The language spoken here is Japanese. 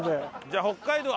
じゃあ北海道